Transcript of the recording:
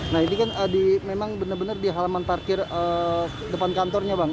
nah ini kan memang benar benar di halaman parkir depan kantornya bang